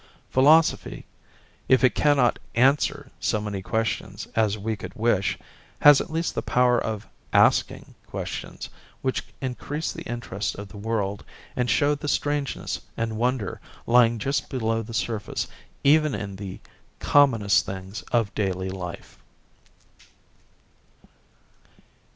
Philosophy, if it cannot answer so many questions as we could wish, has at least the power of asking questions which increase the interest of the world, and show the strangeness and wonder lying just below the surface even in the commonest things of daily life.